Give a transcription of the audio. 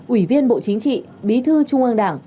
ủy viên bộ chính trị bí thư trung ương đảng